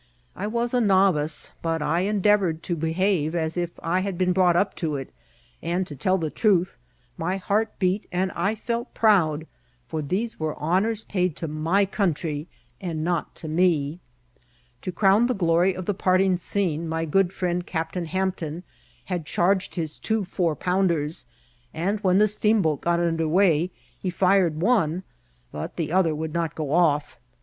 I was a novice, but I endeavoured to behave as if I had been brought up to it ; and, to tell the truth, my heart beat, and I felt proud; for these were honours paid to my country, and not to me. To crown the glory of the parting scene, my good friend Captain Hampton had charged his two four* pounders, and when the steamboat got under way he fired one, but the other would not go off.